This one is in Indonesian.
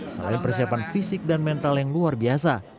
selain persiapan fisik dan mental yang luar biasa